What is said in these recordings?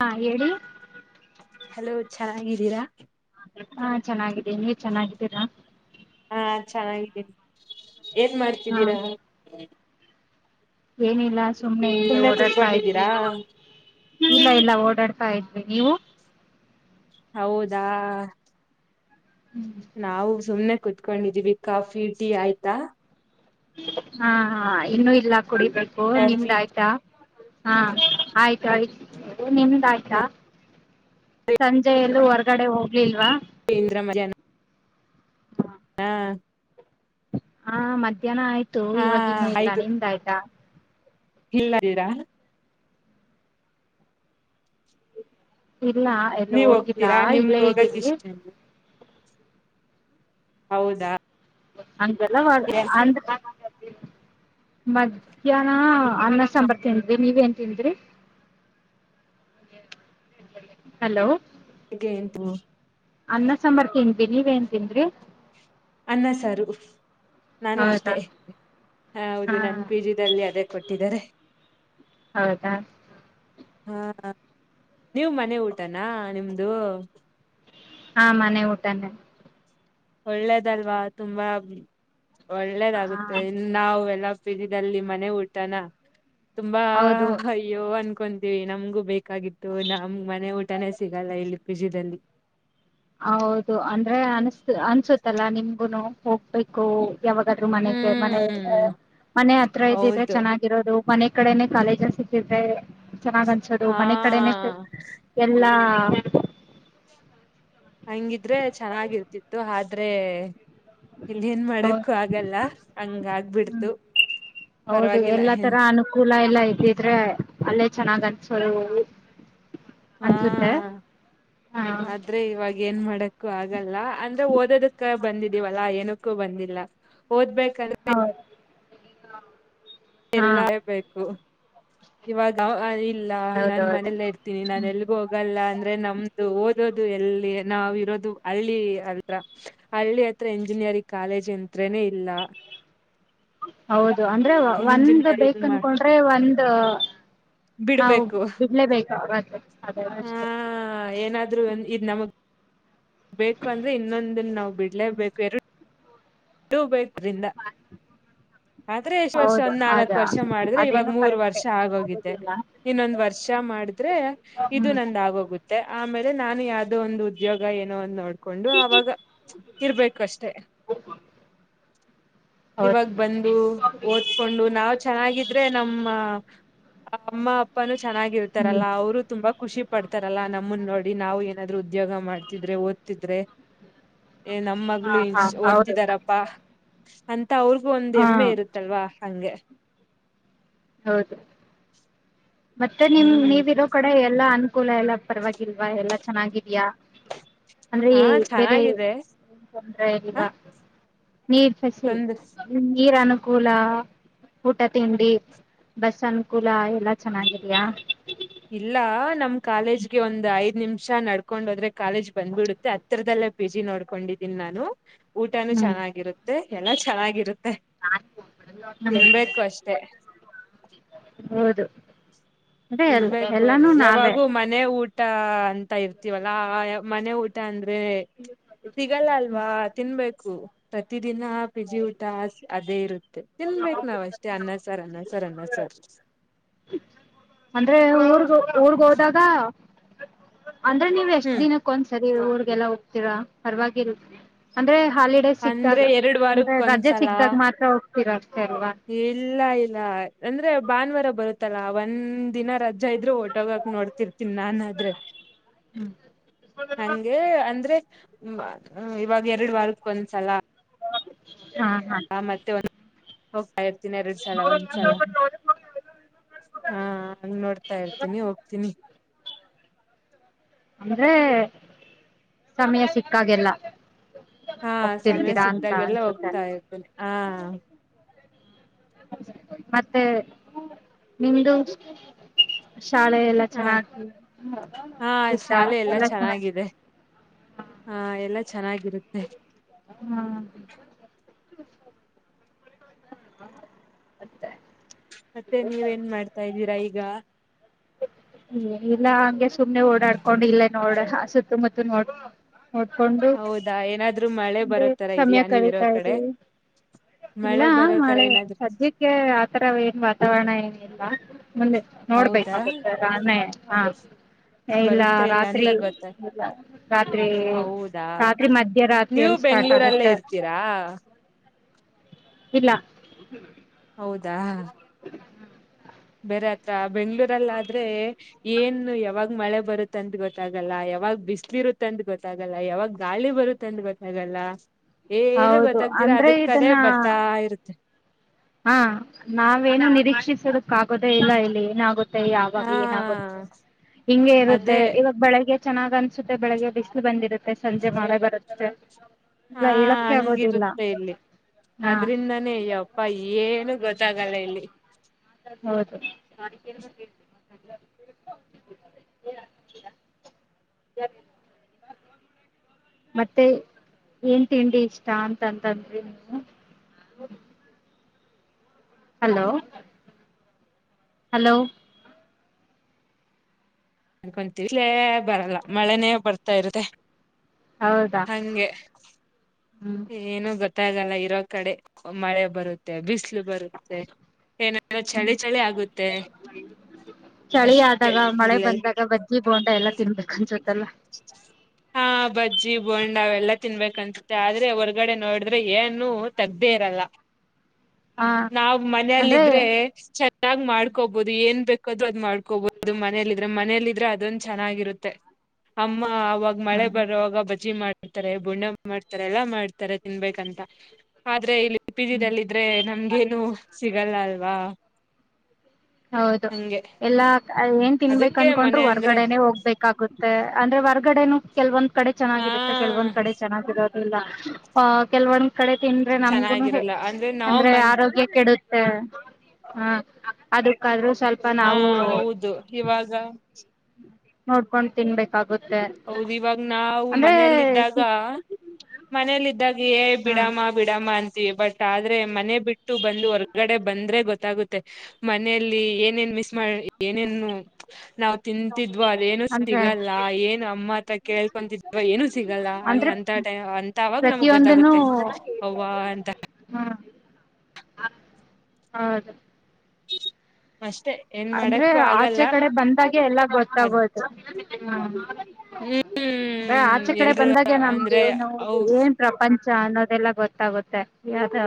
ಹಾ ಹೇಳಿ ಹಲೋ ಚೆನ್ನಾಗಿದ್ದೀರಾ ಹಾ ಚೆನ್ನಾಗಿದ್ದೀವಿ ನೀವ ಚೆನ್ನಾಗಿದ್ದೀರಾ ಹಾ ಚನ್ನಾಗಿದ್ದೇನಿ ಏನ್ ಹಾ ಮಾಡ್ತಿದ್ದೀರಾ ಏನಿಲ್ಲ ಸುಮ್ಮನೆ ಸುಮ್ನೆ ಓಡಾಡ್ತಾ ಇದ್ವಿ ಕುೂತ್ಕೊಂಡಿದ್ದೀರಾ ಇಲ್ಲಾ ಇಲ್ಲಾ ಓಡಾಡ್ತಾ ಇದ್ವಿ ನೀವು ಹೌದಾ ನಾವು ಸುಮ್ನೆ ಕುತ್ಕೊಂಡಿದ್ದೀವಿ ಕಾಫಿ ಟೀ ಆಯ್ತಾ ಹಾ ಹಾ ಇನ್ನು ಇಲ್ಲಾ ಕುಡಿಬೇಕು ಕಾಫಿ ನಿಮ್ದಾಯ್ತಾ ಹಾ ಆಯ್ತ ಆಯ್ತು ನಿಮ್ದ ಆಯ್ತಾ ಸಂಜೆ ಯಲ್ಲೂ ಹೊರ್ಗಡೆ ಹೋಗ್ಲಿಲ್ವಾ ಕೇಂದ್ರ [unintelligible] ಹ್ಮ ಹಾ ಮಧ್ಯಾಹ್ನ ಆಯ್ತು ಹಾ ಇವಾಗ ಇನ್ನು ಇಲ್ಲಾ ನಿಮ್ದಾಯಯ್ತಾ ಇಲ್ಲೀರಾ ಇಲ್ಲಾ ಎಲ್ಲಿ ನೀವ್ ಹೋಗಿಲ್ಲಾ ಹೋಗ್ತೀರಾ ನಿಮ್ಗ ಇಲ್ಲೇ ಹೋಗಕ್ ಇದ್ದೀವಿ ಇಷ್ಟ ಹೌದಾ ಹಂಗೆಲ್ಲಾ [unintelligible] ಮಧ್ಯಾಹ್ನ ಅನ್ನಾ ಸಾಂಬರ್ ತಿಂದಿ ನೀವೇನ್ ತಿಂದ್ರಿ ಹ ಹಲೋ ಹೇಗೆ ತ ಅನ್ನಾ ಸಾಂಬಾರ್ ತಿಂದ್ವಿ ನೀವೇನ್ ತಿಂದರಿ ಅನ್ನ ಸಾರ ನಾನು ಹೌದಾ ಅಷ್ಟೇ ಹಾ ಹೌದು ನನ್ನ ಪಿಜಿದಲ್ಲಿ ಅದೇ. ಕೊಟ್ಟಿದ್ದಾರೆ. ಹೌದಾ. ಹಾ ನೀವ್ ಮನೆ ಊಟನಾ ನಿಮ್ದು. ಹಾ ಮನೆ ಊಟನ್ನೆ. ಒಳ್ಳೇದಲ್ವಾ ತುಂಬಾ ಒಳ್ಳೇದಾಗುತ್ತೆ ಹ ಇನ್ನು ನಾವ ಎಲ್ಲ. ಪೀ ಜಿ ದಲ್ಲಿ ಮನೆ ಊಟನ ತುಂಬಾ ಹೌದು ಅಯ್ಯೋ ಅನ್ಕೊಂತೀವಿ ನಮ್ಗು ಬೇಕ. ಬೇಕಾಗಿತ್ತು ನಮ್ ಮನೆ ಊಟನೇ ಸಿಗಲ್ಲ ಇಲ್ಲಿ ಪಿಜಿದಲ್ಲಿ. ಹೌದು ಅಂದ್ರೆ ಅನ್ಸ್ ಅನ್ಸುತ್ತಲ್ಲಾ ನಿಮ್ಗುನು ಹೋಗ್ಬೇಕು. ಯಾವಾಗಾದ್ರು ಮನೆಗೆ ಮನೆ ಹ್ಮ್ ಮನೆ ಹತ್ರ ಇದ್ದಿದ್ರೆ ಹೌದು ಚೆನ್ನಾಗಿರೋದು. ಮನೆ ಕಡೆನೇ ಕಾಲೇಜಸ ಸಿಕ್ಕಿದ್ರೆ ಚೆನ್ನಾಗ್ ಅನ್ಸೋದು ಹಾ ಮನೆ ಕಡೆನೆೇ ಎಲ್ಲಾ. ಹ. ಹಂಗಿದ್ರೆ ಚೆನ್ನಾಗಿರ್ತಿತ್ತು ಆದ್ರೆ. ಇಲ್ಲ ಏನ್ ಹೌದು ಮಾಡಕ್ಕ ಆಗಲ್ಲ ಹಂಗ ಹ್ಮ್ ಆಗ್ಬಿಡ್ತು. ಹೌದು ಪರವಾಗಿಲ್ಲ ಎಲ್ಲಾ ತರ ಏನ್ ಅನುಕೂಲ ಎಲ್ಲ ಇದ್ದಿದ್ರೆ. ಅಲ್ಲೇ ಚೆನ್ನಾಗ್ ಅನ್ಸೋದು ಹಾ ಅನ್ಸುತ್ತೆ. ಹಾ ಆದ್ರೆ ಇವಾಗ ಏನ್ ಮಾಡಕ್ಕು ಆಗಲ್ಲ ಅಂದ್ರೆ ಓದೋದಕ್ಕ. ಬಂದಿದೀವಲ್ಲಾ ಏನಕ್ಕೂ ಬಂದಿಲ್ಲ ಓದ್ಬೇಕು. ಹೌದು. ಹಾ ಎಲ್ಲೇ ಬೇಕು ಇವಾಗ [unintelligible] ಇಲ್ಲ ನಾನ್ ಹೌದೌದು ಮನೇಲ್ಲ ಇರ್ತೀನಿ ನಾನ ಎಲ್ಗೂ ಹೋಗಲ್ಲ ಅಂದ್ರೆ ನಮ್ದು ಓದೋದು. ಎಲ್ಲಿ ನಾವ್ ಇರೋದು ಹಳ್ಳಿ ಅತ್ರ ಹಳ್ಳಿ ಹತ್ರ ಇಂಜಿನಿಯರಿಂಗ್ ಕಾಲೇಜ್ [unintelligible] ಇಲ್ಲ. ಹೌದು ಅಂದ್ರೆ ಒಂದ ಬೇಕ ಮಾಡ್ ಅನ್ಕೊಂಡ್ರೆ ಒಂದ ನಾವು ಬಿಡ್ಬೇಕು ಬಿಡ್ಲೇಬೇಕ ಅ ಆ ಅಷ್ಟೇ. ಏನಾದ್ರು ಒಂದ ಇದ್ ನಮಗ್. ಬೇಕು ಅಂದ್ರೆ ಇನ್ನೊಂದನ್ ನಾವ್ ಬಿಡ್ಲೆೇ ಬೇಕು ಎರಡ ಟೂ [unintelligible] ರಿಂದ. ಆದ್ರೆ ಎಷ್ಟ್ ವರ್ಷ ಹೌದು ಒಂದ್ ಅದ ನಾಲ್ಕ್ ವರ್ಷ ಮಾಡಿದ್ರೆ ಇವಾಗ ಅದೇನೋ ಮೂರ್ ಕರೆಕ್ಟೆ ವರ್ಷ ಆಗ್ ಹೋಗಿದೆ. ಆಗುದಿಲ್ಲ ಇನ್ನೊಂದ್ ವರ್ಷ ಮಾಡಿದ್ರೆ ಇದು ಹ್ಮ್ ನಂದ ಆಗೋಗುತ್ತೆ ಆಮೇಲೆ. ನಾನು ಯಾವುದೋ ಒಂದು ಉದ್ಯೋಗ ಏನೋ ಅ ನೋಡ್ಕೊಂಡು ಅವಾಗ ಇರ್ಬೇಕು ಅಷ್ಟೆ. ಇವಾಗ ಹೌದು ಬಂದು ಓದ್ಕೊಂಡು ನಾ. ನಾವ್ ಚೆನ್ನಾಗಿದ್ರೆ ನಮ್ಮ ಅಮ್ಮ ಅಪ್ಪ ನು. ಹ್ಮ್ ಚೆನ್ನಾಗಿರ್ತಾರಲ್ಲ ಅವ್ರು ತುಂಬಾ ಖುಷಿ ಪಡ್ತಾರಲ್ಲ ನಮ್ಮನ್ನ ನೋಡಿ. ನಾವು ಏನಾದ್ರು ಉದ್ಯೋಗ ಮಾಡ್ತಿದ್ರೆ ಓದ್ತಿದ್ರೆ ಏ ಹಾ ನಮ್ಮಗಳು ಹಾ [unintelligible] ಹೌದು ಇಟ್ಟಿದಾರಪ್ಪಾ ಅಂತ ಅವ್ರಿಗೂ ಒಂದ್ ಹಾ ಹೆಮ್ಮೆ ಇರುತ್ತಲ್ವಾ ಹಂಗೆ. ಹೌದು ಮತ್ತೆ ನಿಮ್ ಹ್ಮ್ ನೀವಿರೋ ಕಡೆ ಎಲ್ಲಾ ಅನ್. ಕುಲ ಎಲ್ಲ ಪರವಾಗಿಲ್ವಾ ಎಲ್ಲಾ ಚೆನ್ನಾಗಿದ್ದೀಯಾ. ಅಂದ್ರೆ ಹಾ ಬೇರೆ ಚೆನ್ನಾಗಿದೆ [unintelligible] ಹ ಇಲ್ವಾ. ನೀರ್ ಫೆಸಿಲಿ ತೊಂದ್ರ ನೀರ್ ಅನುಕೂಲ ಊಟ ತಿಂಡಿ. ಬಸ್ ಅನುಕೂಲ ಎಲ್ಲಾ ಚೆನ್ನಾಗಿದಯಾ. ಇಲ್ಲ ನಮ್ ಕಾಲೇಜ್ಗೆ ಒಂದ್ ಐದ್ ನಿಮಿಷ ನಡ್ಕೊಂಡ್ ಹೋದ್ರೆ ಕಾಲೇಜ್ ಬಂದ್ಬಿಡುತ್ತೆ ಹತ್ರರದಲ್ಲಿ. ಇಲ್ಲ ಪಿ ಜಿ ನೋಡ್ಕೊಂಡಿದೀನಿ ನಾನು ಊಟನುೂ ಹ್ಮ್ ಚೆನ್ನಾಗಿರುತ್ತೆ ಎಲ್ಲ ಚೆನ್ನಾಗಿರುತ್ತ. ಹ್ಮ್ ತಿನ್ಬೇಕು ಅಷ್ಟೆ. ಹೌದು ಅದೇ ಎಲ್ಲ ತಿನ್ಬೇಕು ಎಲ್ಲಾನು ನಾವೇ ಯಾವಾಗೂ ಮನೆ ಊಟ ತಾ ಅಂತ ಇರ್ತೀವಲ್ಲಾ ಮನೆ ಊಟ ಅಂದ್ರೆ. ಬೇ ಸಿಗಲ್ಲ ಅಲ್ವಾ ತಿನ್ಬೇಕು ಸದ್ಯಕ್. ದಿನ ಪಿಜಿ ಊಟ ಅದೇ ಇರುತ್ತೆ ತಿನ್ಬೇಕಕ್ ನಾವ್ ಅಷ್ಟೇ ಅನ್ನಸಾರ್ ಅನ್ನಸರ್ ಅನ್ನಸರ್. ಅಂದ್ರೆ ಊರ್ಗ ಊರ್ಗ್ ಹೋದಾಗ. ಅಂದ್ರೆ ನೀವ್ ಎಷ್ಟ್ ಹ್ಮ್ ದಿನಕ್ಕ ಒಂದ್ ಸರಿ ಊರ್ಗೆಲ್ಲ ಹೋಗ್ತೀರ ಪರವಾಗಿರ್ತ್ತ ಅಂದ್ರೆ. ಹಾಲಿಡೇ ಸಿಕ್ದಾಗ ಅಂದ್ರೆ ಎರಡ್ ಅಂದ್ರೆ ವಾರಕ್ಕ ರಜೆ ಒಂದ್ಸಲ ಸಿಗ್ದಾಗ ಮಾತ್ರ ಹೋಗ್ತೀರ ಅಷ್ಟೇ ಅಲ್ವಾ ಇಲ್ಲ ಇಲ್ಲ ಅಂದ್ರೆ ಭಾನುವಾರ ಬರುತ್ತಲ್ಲಾ ಒಂದ್ ದಿನ ರಜೆ ಇದ್ರು ಹೊಟೋಗಕ್ ನೋಡ್ತಿರ್ತೀನಿ ನಾನ ಆದ್ರೆ ಹ್ಮ್ ಹಂಗೆ ಅಂದ್ರೆ ಇವಾಗ ಎರಡು ವಾರಕ್ಕ ಒಂದ್ಸಲ ಹಾ ಮತ್ತೆ ಒಂದ ಹೋಗ್ತಾ ಇರ್ತೀನಿ ಎರಡ್ ಸಲ ಒಂದ್ಸಲ ಹಾ ಹಾ ನೋಡ್ತಾ ಇರ್ತೀನಿ ಹೋಗ್ತೀನಿ ಅಂದ್ರೆ ಸಮಯ ಸಿಕ್ಕಾಗೆಲ್ಲ ಹಾ ಸಮಯ ಹೋಗ್ತಿರ್ತೀರಾ ಅಂತ ಸಿಕ್ಕಗೆಲ್ಲ ಅನ್ಸುತ್ತೆ ಹೋಗ್ತಾ ಇರ್ತೇನೆ ಹಾ ಮತ್ತೆ [inaudible] ನಿಮ್ದು ಶಾಲೆ ಎಲ್ಲ ಹ ಚೆನ್ನಾಗ ಹಾ ಶಾಲೆ ಎಲ್ಲ ಚೆನ್ನಾಗಿದೆ [inaudible] ಹಾ ಚೆನ್ನಾಗಿರುತ್ತೆ ಹಾ [inaudible] ಮತ್ತೆ ಮತ್ತೆ ನೀವೇನ್ ಮಾಡ್ತಾ ಇದ್ದೀರಾ ಈಗ ಇಲ್ಲ ಹಂಗೆ ಸುಮ್ನೆ ಓಡಾಡ್ಕೊಂಡ್ ಇಲ್ಲ ನೋಡ ಸುತ್ತಮುತ್ತ ನೋಡ್ ನೋಡ್ಕೊಂಡು ಹೌದಾ ಏನಾದ್ರು ಮಳೆ ಹಂಗೆ ಬರೋ ತರ ಸಮಯ ಇದೆಯಾ ನೀವಿರೋ ಕಳಿತಾ ಕಡೆ ಇದ್ದೀವಿ ಇಲ್ಲ ಮಳೆ ಬರೋ ತರ ಮಳೆ ಏನಾದ್ರು ಸದ್ಯಕ್ಕೆ ಆತರ ಏನ್ ವಾತಾವರಣ ಏನು ಮುಂದೆ ನೋಡ್ಬೇಕಾ ಹೌದಾ [unintelligible] ಹಾ ಇಲ್ಲ ಬರುತ್ತೆ ಅಂತ ರಾತ್ರಿ ಗೊತ್ತ ರಾತ್ರಿ ಹೌದಾ ರಾತ್ರಿ ಮಧ್ಯ ರಾತ್ರಿ ನೀವು ಅನ್ಸುತ್ತೆ ಬೆಂಗ್ಳೂರಲ್ಲೇ ಇರ್ತೀರಾ ಇಲ್ಲ ಹೌದಾ ಬೇರೆ ಹತ್ರ ಬೆಂಗ್ಳೂರಲ್ಲ ಆದ್ರೆ ಏನು ಯಾವಾಗ ಮಳೆ ಬರುತ್ತ ಅಂತ ಗೊತ್ತಾಗಲ್ಲ ಯಾವಾಗ್ ಬಿಸ್ಲಿ ಇರುತ್ತೆ ಅಂತ ಗೊತ್ತಾಗಲ್ಲ ಯಾವಾಗ ಗಾಳಿ ಬರುತ್ತೆ ಅಂದ ಗೊತ್ತಾಗಲ್ಲ ಏನು ಹೌದು ಗೊತ್ತಾಗ್ದೀರಾ ಅಂದ್ರೆ ಅದಕ್ಕದೆ ಕಡೆೇ ಇದನ್ನ ಬರ್ತಾ ಇರುತ್ತೆ ಹಾ ನಾವೇನು ನಿರೀಕ್ಷಿಸದಕ್ಕ ಆಗೋದೇ ಇಲ್ಲ ಇಲ್ಲಿ ಏನಾಗ ಯಾವಾಗ ಹಾ ಏನಾಗುತ್ತೆ ಹಿಂಗೆ ಇರುತ್ತೆ ಅದೇ ಇವಾಗ ಬೆಳಗ್ಗೆ ಚೆನ್ನಾಗ್ ಅನ್ಸುತ್ತೆ ಬೆಳಿಗ್ಗೆ ಬಿಸಿಲು ಬಂದಿರುತ್ತೆ ಸಂಜೆ ಮಳೆ ಬರುತ್ತೆ ಹಾ ಇಲ್ಲ ಹೇಳಕ್ಕೆ ಆಗೋದಿಲ್ಲ ಹಂಗಿರುತ್ತೆ ಇಲ್ಲಿ ಹಾ ಅದ್ರಿಂದಾನೇ ಯಪ್ಪ ಏನು ಗೊತ್ತಾಗಲ್ಲ ಇಲ್ಲಿ ಹೌದು [inaudible] [unintelligible] ಮತ್ತೆ ಏನ್ ತಿಂಡಿ ಇಷ್ಟ ಅಂತಂತಂದ್ರಿ ನೀವು [inaudible] ಹಲೋ ಹಲೋ ಅನ್ಕೊಂತೀವಿ ಇಲ್ಲೇ ಬರಲ್ಲ ಮಳೆನೇ ಬರ್ತಾ ಇರುತ್ತೆ ಹೌದಾ ಹಂಗೆ ಹ್ಮ್ [inaudible] ಏನು ಗೊತ್ತ ಗೊತ್ತಾಗಲ್ಲ ಇರೋ ಕಡೆ ಮಳೆ ಬರುತ್ತೆ ಬಿಸಿಲು ಬರುತ್ತೆ ಹ್ಮ್ ಚಳಿ ಚಳಿ ಆಗುತ್ತೆ ಚಳಿ ಅಷ್ಟೆ ಆದಾಗ ಮಳೆ ಇಲ್ಲೆಲ್ಲ ಬಂದಾಗ ಬಜ್ಜಿ ಬೋಂಡ ಎಲ್ಲಾ ತಿನ್ಬೇಕು ಅನ್ಸತ್ತಲ್ವಾ ಹಾ ಬಜ್ಜಿ ಬೋಂಡ ಅವೆಲ್ಲಾ ತಿನ್ಬೇಕನ್ಸುತ್ತೆ ಆದ್ರೆ ಹೊರ್ಗಡೆ ನೋಡಿದ್ರೆ ಏನು ತಗ್ದೇ ಇರಲ್ಲ ಹಾ ನಾವ್ ಅಂದ್ರೆ ಮನೇಲ್ಲಿದ್ರೆ ಚೆನ್ನಾಗ್ ಮಾಡ್ಕೋಬೋದು ಏನ್ ಬೇಕಾದ ಮಾಡ್ಕೋಬಹದು ಮನೆಲ್ಲಿ ಇದ್ರೆ ಮನೆಲ್ಲಿ ಇದ್ರೆ ಅದೊಂದು ಚೆನ್ನಾಗಿರುತ್ತೆ ಅಮ್ಮ ಅವಾಗ ಹಾ ಮಳೆ ಬರುವಾಗ ಬಜಿ ಮಾಡಿ ಮಾಡತಾರೆ ಬುಣ ಮಾಡ್ತಾರೆ ಎಲ್ಲಾ ಮಾಡ್ತಾರೆ ತಿನ್ಬೇಕಂತ ಆದ್ರೆ ಇಲ್ಲಿ ಪಿಜಿನಲ್ಲಿದ್ರೆ ನಮ್ಗೇನು ಸಿಗಲ್ಲ ಅಲ್ವಾ ಹೌದು ಹಂಗೆ ಎಲ್ಲಾ ಏನ್ ತಿನ್ಬೇಕು ಅದಕ್ಕೆ ಅನ್ಕೊಂಡ್ರು ಮನೆ ಅಂದ್ರೆ ಹೊರ್ಗಡೆನೇ ಹೋಗ್ಬೇಕಾಗುತ್ತೆ ಅಂದ್ರೆ ಹೊರ್ಗಡೆನು ಕೆಲ್ವೊಂದ ಕಡೆ ಹಾ ಚೆನ್ನಾಗಿರುತ್ತೆ ಕೆಲವೊಂದ್ ಕಡೆ ಚೆನ್ನಾಗಿರೋದಿಲ್ಲ ಆಹ ಕೆಲವೊಂದು್ ಕಡೆ ತಿಿಂದ್ರೆ ನಮ್ಗು ಚೆನ್ನಾಗಿರಲ್ಲ ನಾವ್ ಅಂದ್ರೆ ಮನ್ ಆರೋಗ್ಯ ಕೆಡುತ್ತ [unintelligible] ಅದಕ್ಕಾದ್ರೂ ಸ್ವಲ್ಪ ಹಾ ನಾವು ಹೌದು ಇವಾಗ ನೋಡ್ಕೊಂಡ್ ತಿನ್ಬೇಕಾಗುತ್ತೆ ಹೌದು ಇವಾಗ ನಾವು ಅಂದ್ರೆ ಮನೆಯಲ್ಲಿದ್ದಾಗ ಸಿಕ್ ಮನೆ ಲ್ಲಿದ್ದಾಗ ಏ ಹಾ ಬಿಡಾಮ ಬಿಡಾಮ ಅಂತ ಬಟ್ ಆದ್ರೆ ಮನೆ ಬಿಟ್ಟು ಬಂದು ಹೊರ್ಗಡೆ ಬಂದ್ರೆ ಗೊತ್ತಾಗುತ್ತೆ ಮನೆಯಲ್ಲಿ ಏನೇನ್ ಮಿಸ್ ಮಾಡ ಏನೇನು ನಾವು ತಿಂತಿದ್ವೋ ಅದೇನು ಅಂದ್ರೆ ಸಿಗಲ್ಲ ಏ ಅಮ್ಮತ ಕೇಳ್ಕೊಂತಿದ್ವ ಏನು ಸಿಗಲ್ಲ ಅಂದ್ರೆ ಅಂತ ಟೈಮ್ ಅಂತ ಆಾಗ ನಮಗ್ ಪ್ರತಿಯೊಂದನು ಗೊತ್ತಾಗುತ್ತೆ ವಾ ಎಂತ ಹಾ ಹೌದು ಹ [inaudible] ಅಂದ್ರೆ ಆಚೆ ಕಡೆ ಬಂದಾಗೆ ಎಲ್ಲಾ ಅದ್ ಗೊತ್ತಾಗೋದು ಹ ಹ್ಮ್ ಆಚೆ ಕಡೆ ಎಲ್ರೂ ಬಂದಾಗ ಅಂದ್ರೆ ನಮ್ಗೇನು ಅವು ಏನ್ ಪ್ರಪಂಚ ಅನ್ನೋದೆಲ್ಲ ಗೊತ್ತಾಗುತ್ತೆ ಯಾವ್ದು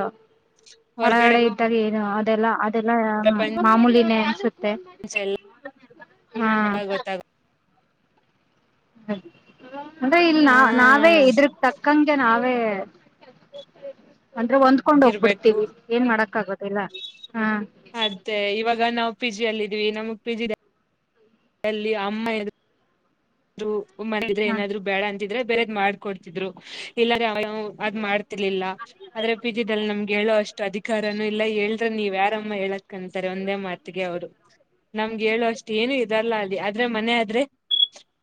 ಹೊರ್ಗಡೆ ಹೊರಗಡೆ ಇದ್ದಾಗ ಏನು ಅದೆಲ್ಲ ಅದೆಲ್ಲ ಪ್ರಪಂಚ ಮಾಮೂಲಿನೇ ಅನ್ಸುತ್ತೆ ಎಲ್ಲ ಹಾ ಗೊತ್ತಾಗ ಅಂದ್ರೆ ಇಲ್ ಹಾ ನಾವ ನಾವೇ ಇದ್ರಕ್ ತಕ್ಕಂಗೆ ನಾವೇ ಹ [unintelligible] ಅಂದ್ರೆ ಹೊಂದ್ಕೊಂಡ್ ಇರ್ಬೇಕು ಹೋಗ್ಬಿಡ್ತೀವಿ ಏನ್ ಮಾಡಕ್ ಆಗದಿಲ್ಲ ಹ್ಮ ಪಿಜಿ ಅಲ್ಲಿ ಇದೀವಿ ನಮಗ್ ಪ್ರಿಜಿ ಮನೆ ಅಲ್ಲಿ ಅಮ್ಮ ಎದು [unintelligible] ಮ್ರೆ ಹಾ ಏನಾದ್ರು ಬೇಡ ್ರ ಬೇರೆದ್ ಮಾಡ್ಕೊಡ್ತಿದ್ರು ಇಲ್ಲ ಅದ್ ಮಾಡ್ತಿರ್ಲಿಲ್ಲ ಆದ್ರೆ ಪಿಜಿಲ್ಲಿ ನಮಗೆ ಹೇಳೋ ಅಷ್ಟು ಅಧಿಕಾರಾನೂ ಇಲ್ಲ ಹೇಳದ್ರೆ ನೀವ್ ಯಾರಮ್ಮ ಹೇಳಕ್ಂತಾರೆ ಒಂದೇ ಮಾತಿಗೆ ಅವ್ರು ನಮ್ಗೆ ಹೇಳುವ ಅಷ್ಟೆ ಏನು ಇದಲ್ಲ ಅಲ್ಲಿ ಆದ್ರೆ ಮನೆ ಆದ್ರೆ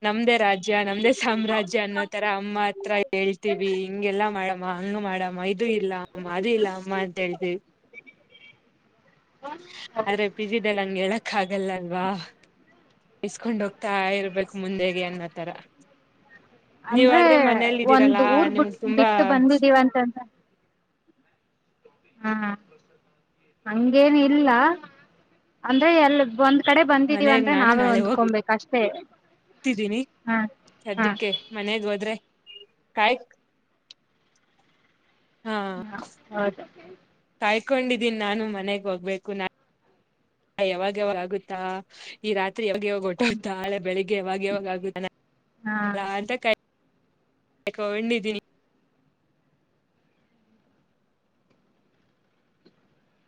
ನಮ್ದೇ ರಾಜ್ಯ ನಮ್ದೇ ಸಾಮ್ರಾಜ್ಯ ಅನ್ನೋತರ ಅಮ್ಮ ಹತ್ರ ಹೇಳ್ತೀವಿ ಹಿಂಗೆಲ್ಲಾ ಮಾಡ ಅಮ್ಮ ಹಂಗ ಮಾಡಮ್ಮ ಇದು ಇಲ್ಲ ಅಮ್ಮ ಅದು ಇಲ್ಲ ಅಮ್ಮ ಅಂತ ಹೇಳ್ತಿವಿ ಆದರೆ ಪಿಜಿನಲ್ಲಿ ಹಂಗೆ ಹೇಳಕ್ ಆಗಲ್ಲ ಅಲ್ವಾ ಇಸ್ಕೊಂಡ್ ಹೋಗ್ತಾ ಇರ್ಬೇಕು ಮುಂದೆೆಗೆ ಅನ್ನೋ ತರ ಅಂದ್ರೆ ನೀವಾದ್ರೆ ಮನೇೆಯಲ್ಲಿ ಒಂದ್ ಇದ್ದೀರಲ್ಲಾ ಊರ್ ಬಿಟ್ ನಿಮ್ಗ್ ತುಂಬಾ ಬಿಟ್ಟು ಬಂದಿದೀವ ಅಂತಂದ್ರ ಹಾ ಹಂಗೇನು ಇಲ್ಲ ಅಂದ್ರೆ ಎಲ್ಲಿ ಬಂದ ಕಡೆ ಬಂದಿದೀವಿ ಮನೆಗ್ ಅಂದ್ರೆ ನಾವೇ ಹೊಂದ್ಕೊಬೇಕು ಅಷ್ಟೇ ಇತಿದ್ದೀನಿ ಹಾ ಹಾ ಸದ್ಯಕ್ಕೆ ಮನೆಗ್ ಹೋದ್ರೆ ಕಾಯ [inaudible] ಹಾ ಹೌದು ಕಾಯ್ಕೊಂಡಿದ್ದೀನ್ಿ ನಾನು ಮನೆಗ್ ಹೋಗ್ಬೇಕು ನಾ ಹ ಯಾವಾಗ ಯಾವಾಗಗುತ್ತಾ ಈ ರಾತ್ರಿ ಾಗಾಗಟ ತಾಳೆ ಬೆಳಿಗ್ಗೆ ಯಾವಾಗ ಯಾವಾಗ ಆಗುತ್ತೆ ಹಾ ಅಂತ ಕಯ ಕಾಯ್ಕೊಂಡಿದೀನಿ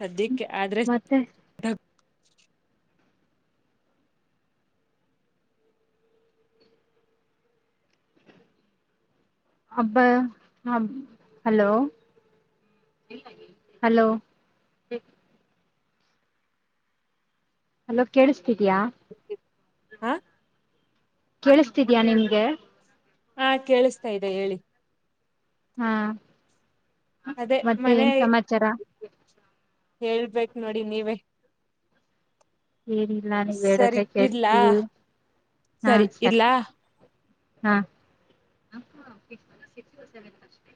ಸದಿಕ್ಕೆ ಆದ್ರೆ ಮತ್ತೆ ಅಬ್ಬಾ ಹ ಹಲೋ ಹಲೋ ಅಲೋ ಕೇಳಿಸ್ತಿದ್ಯಾ ಹಾ ಕೇಳಸ್ತಿದ್ಯಾ ನಿಮ್ಗೆ ಹಾ ಕೇಳಿಸತಾ ಇದೆ ಹೇಳಿ ಹಾ ಅದೇ ಮತ್ತೆ ಏನ್ ಸಮಾಚಾರ ಹೇಳ್ಬೇಕ ನೋಡಿ ನೀವೇ ಏನಿಲ್ಲ ನೀವ್ ಸರಿ ಹೇಳದ್ರೆ ಕೇಳ್ತ ಇಡ್ಲಾ ಹಾ ಸರಿ ಹ್